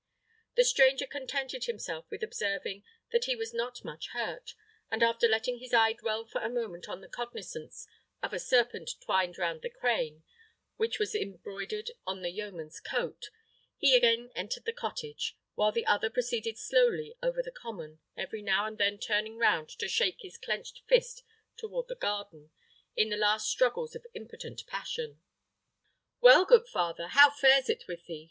The stranger contented himself with observing that he was not much hurt; and after letting his eye dwell for a moment on the cognisance of a serpent twined round a crane, which was embroidered on the yeoman's coat, he again entered the cottage, while the other proceeded slowly over the common, every now and then turning round to shake his clenched fist towards the garden, in the last struggles of impotent passion. "Well, good father, how fares it with thee?"